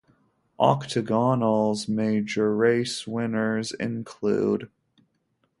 "Octagonal's major race winners include:"